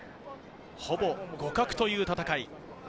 ほぼ互角という戦い。